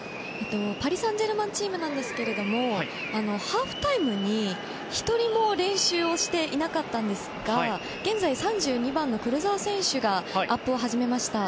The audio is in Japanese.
パリ・サンジェルマンですがハーフタイムに、１人も練習をしていなかったんですが現在、３２番のクルザワ選手がアップを始めました。